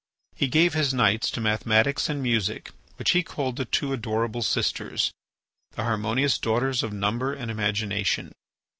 He gave his nights to mathematics and music, which he called the two adorable sisters, the harmonious daughters of Number and Imagination.